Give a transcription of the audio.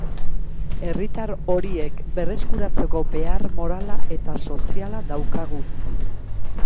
Herritar horiek berreskuratzeko behar morala eta soziala daukagu.